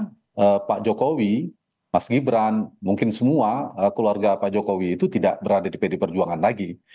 jadi saya kira bahwa pak jokowi mas gibran mungkin semua keluarga pak jokowi itu tidak berada di pdip lagi